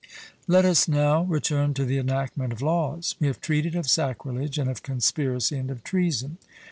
Let us now return to the enactment of laws. We have treated of sacrilege, and of conspiracy, and of treason.